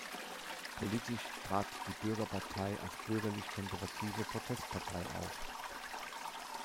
Politisch trat die Bürgerpartei als bürgerlich-konservative Protestpartei auf.